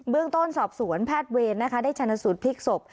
เรื่องต้นสอบสวนแพทย์เวรนะคะได้ชนะสูตรพลิกศพ